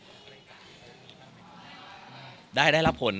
จริงได้รับผลไหมครับ